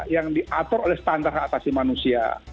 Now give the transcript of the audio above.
yang diatur oleh standar keatasi manusia